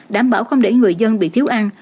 đảm bảo không để người dân bị thiếu ăn